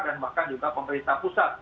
dan bahkan juga pemerintah pusat